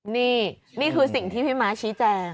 นี่นี่คือสิ่งที่พี่ม้าชี้แจง